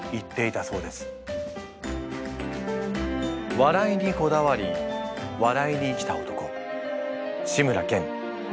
笑いにこだわり笑いに生きた男志村けん。